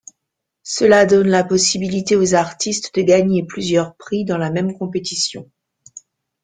Cela donne la possibilité aux artistes de gagner plusieurs prix dans la même compétition.